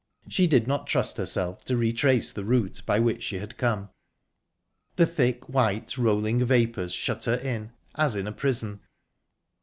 She did not trust herself to retrace the route by which she had come. The thick, white, rolling vapours shut her in, as in a prison...